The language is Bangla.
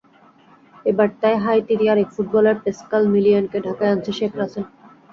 এবার তাই হাইতিরই আরেক ফুটবলার প্যাসকাল মিলিয়েনকে ঢাকায় আনছে শেখ রাসেল।